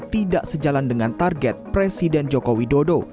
tidak sejalan dengan target presiden jokowi dodo